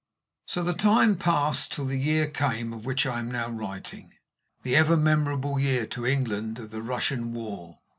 So the time passed till the year came of which I am now writing the ever memorable year, to England, of the Russian war.